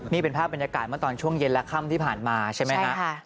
นี่เป็นภาพบรรยากาศเมื่อตอนช่วงเย็นและค่ำที่ผ่านมาใช่ไหมฮะ